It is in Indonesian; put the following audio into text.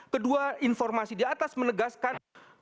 kedua informasi di atas menegaskan